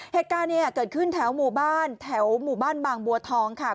เหตุการณ์เนี่ยเกิดขึ้นแถวหมู่บ้านแถวหมู่บ้านบางบัวทองค่ะ